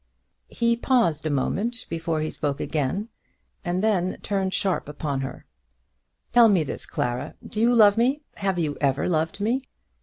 He paused a moment before he spoke again, and then he turned sharp upon her. "Tell me this, Clara; do you love me? Have you ever loved me?"